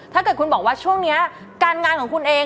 ถ้าเกิดคุณบอกว่าช่วงนี้การงานของคุณเอง